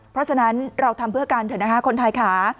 เพราะฉะนั้นเราทำเพื่อกันเถอะนะคะคนไทยค่ะ